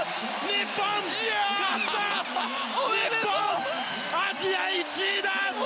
日本、アジア１位だ。